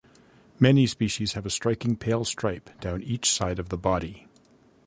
Many species have a striking pale stripe down each side of the body.